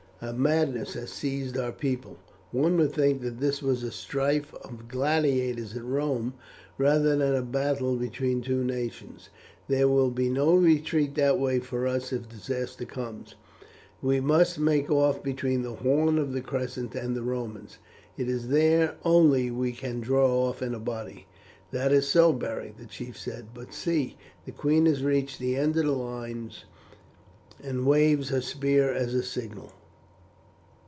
A madness has seized our people. One would think that this was a strife of gladiators at Rome rather than a battle between two nations. There will be no retreat that way for us if disaster comes. We must make off between the horn of the crescent and the Romans. It is there only we can draw off in a body." "That is so, Beric," the chief said; "but see! the queen has reached the end of the lines, and waves her spear as a signal."